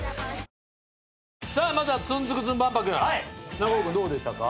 中尾君どうでしたか？